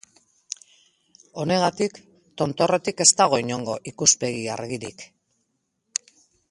Honegatik, tontorretik ez dago inongo ikuspegi argirik.